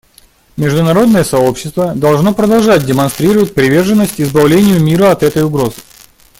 Международное сообщество должно продолжать демонстрировать приверженность избавлению мира от этой угрозы.